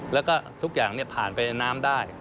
แล้วก็ทุกอย่างผ่านไปในน้ำได้